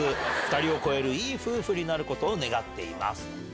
２人を超えるいい夫婦になることを願っています。